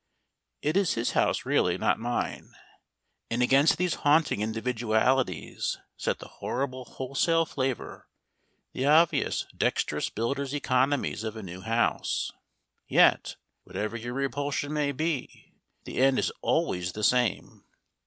It is his house really, not mine. And against these haunting individualities set the horrible wholesale flavour, the obvious dexterous builder's economies of a new house. Yet, whatever your repulsion may be, the end is always the same.